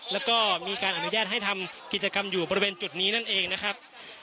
แล้วก็มีการอนุญาตให้ทำกิจกรรมอยู่บริเวณจุดนี้นั่นเองนะครับ